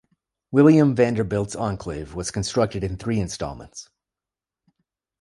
William Vanderbilt's enclave was constructed in three installments.